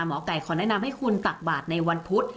หมอไก่ขอแนะนำให้คุณตักบาทในวันพุธ